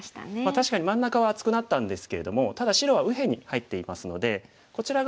確かに真ん中は厚くなったんですけれどもただ白は右辺に入っていますのでこちら側